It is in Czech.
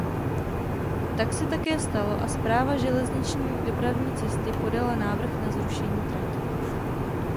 Tak se také stalo a Správa železniční dopravní cesty podala návrh na zrušení trati.